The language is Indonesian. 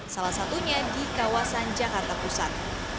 salah satunya di kawasan jakarta pusat